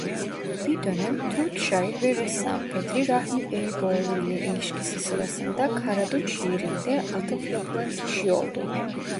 Bir dönem Türk şair ve ressam Bedri Rahmi Eyüboğlu ile ilişkisi sırasında "Karadut" şiirinde atıf yapılan kişi oldu.